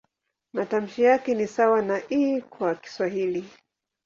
Matamshi yake ni sawa na "i" kwa Kiswahili.